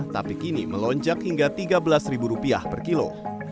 tapi kini melonjak hingga tiga belas rupiah per kilo